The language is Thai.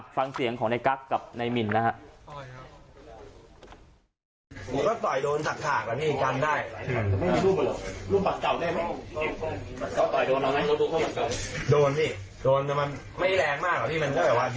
ฟังเสียงของในกั๊กกับนายมินนะฮะ